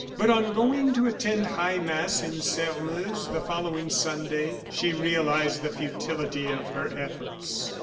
But on going to attend high mass in Sairmeuse the following Sunday, she realized the futility of her efforts.